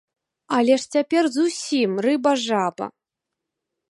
Але ж цяпер зусім рыба-жаба!